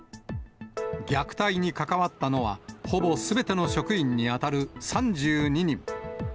虐待に関わったのは、ほぼすべての職員に当たる３２人。